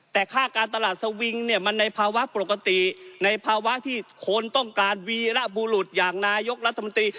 แต่ค่าการตลาดสวิงเนี่ยมันในภาวะปกติในภาวะที่คนต้องการวีระบุรุษอย่างนายกรัฐมนตรี